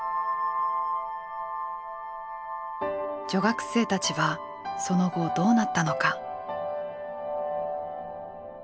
女学生たちはその後どうなったのか。